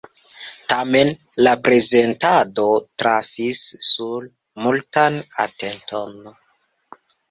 Tamen la prezentado trafis sur multan atenton.